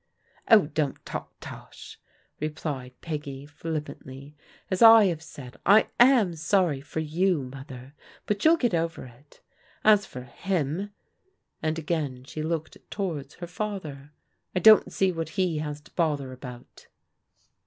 " Oh, don't talk tosh," replied Peggy flippantly. " As I have said, I am sorry for you, Mother, but you'll get over it. As for him," and again she looked towards her father, " I don't see what he has to bother about."